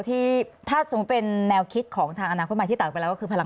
ถ้าเมื่อเป็นแนวคิดของทางอนาคตมายว์ที่ตัดออกไปแล้ว